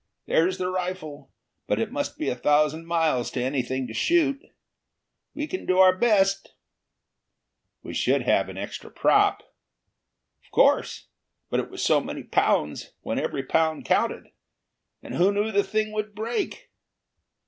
There's the rifle, but it must be a thousand miles to anything to shoot. We can do our best." "We should have had an extra prop." "Of course. But it was so many pounds, when every pound counted. And who knew the thing would break?"